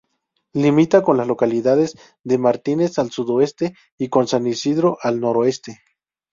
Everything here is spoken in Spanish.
Limita con las localidades de Martínez al sudoeste y con San Isidro al noroeste.